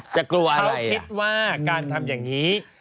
จะกลัวอะไรอ่ะเขาคิดว่าการทำอย่างนี้